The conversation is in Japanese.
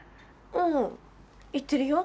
うん。いってるよ。